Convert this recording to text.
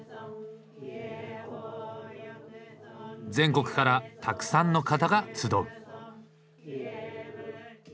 全国からたくさんの方が集う。